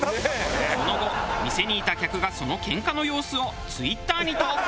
その後店にいた客がそのケンカの様子をツイッターに投稿。